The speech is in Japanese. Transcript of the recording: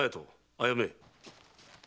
あやめ。